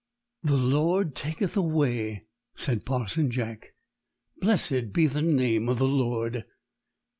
"The Lord taketh away," said Parson Jack. "Blessed be the name of the Lord!"